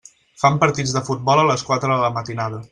Fan partits de futbol a les quatre de la matinada.